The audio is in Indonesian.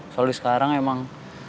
soalnya sekarang emang